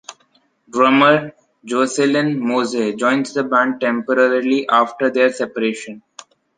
Drummer Jocelyn Moze joins the band temporarily after the separation.